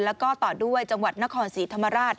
แล้วก็ต่อด้วยจังหวัดนครศรีธรรมราช